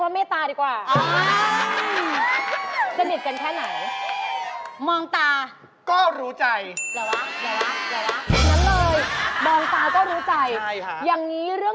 ยังไม่ว่าจะซื้อ